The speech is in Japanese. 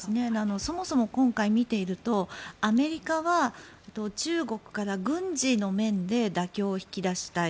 そもそも今回見ているとアメリカは中国から軍事の面で妥協を引き出したい。